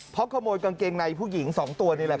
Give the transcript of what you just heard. เพราะขโมยกางเกงในผู้หญิง๒ตัวนี่แหละ